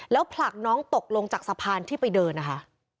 แล้วผลักน้องตกลงจากสะพานที่ไปเดินนะคะ